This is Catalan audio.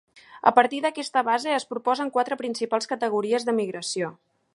A partir d'aquesta base es proposen quatre principals categories de migració.